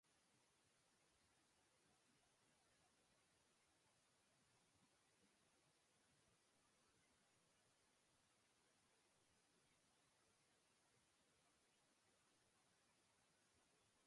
Te datoteke premaknite v mapo slik.